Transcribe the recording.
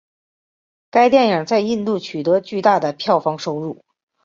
该电影在印度取得巨大的票房收入。